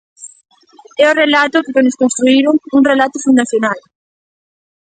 É o relato co que nos construíron, un relato fundacional.